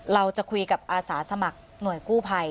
เราจะคุยกับอาสาสมัครหน่วยกู้ภัย